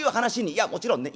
いやもちろんね